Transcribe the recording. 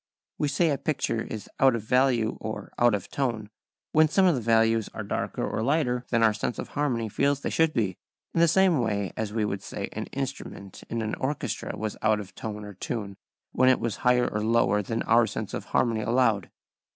We say a picture is out of value or out of tone when some of the values are darker or lighter than our sense of harmony feels they should be, in the same way as we should say an instrument in an orchestra was out of tone or tune when it was higher or lower than our sense of harmony allowed.